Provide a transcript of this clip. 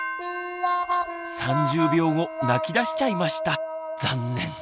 ３０秒後泣きだしちゃいました！